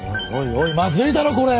おいまずいだろこれ！